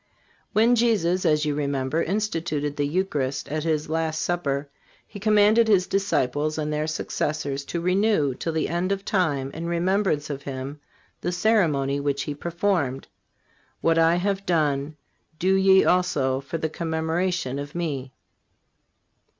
When Jesus, as you remember, instituted the Eucharist at His last Supper He commanded His disciples and their successors to renew, till the end of time, in remembrance of Him, the ceremony which He performed. What I have done, do ye also "for a commemoration of Me."